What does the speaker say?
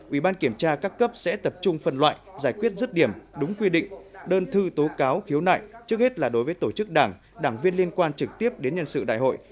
ủy ban kiểm tra các cấp sẽ tập trung phân loại giải quyết rứt điểm đúng quy định đơn thư tố cáo khiếu nại trước hết là đối với tổ chức đảng đảng viên liên quan trực tiếp đến nhân sự đại hội